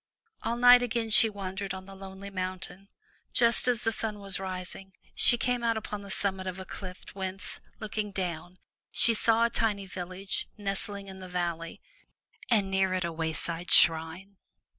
All night again she wandered on the lonely mountain. Just as the sun was rising, she came out upon the summit of a cliff whence, looking down, she saw a tiny village nestling in the valley, and near it a wayside shrine.